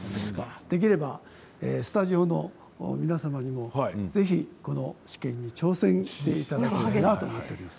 できればスタジオの皆様にもぜひ試験に挑戦していただきたいなと思っております。